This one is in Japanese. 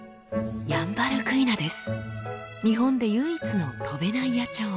日本で唯一の飛べない野鳥。